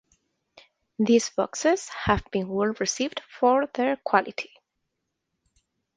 These boxes have been well received for their quality.